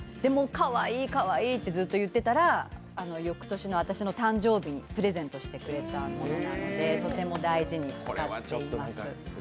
かわいい、かわいいとずっと言ってたら、よくとしの私の誕生日にプレゼントしてくれたのでとても大事に使っています。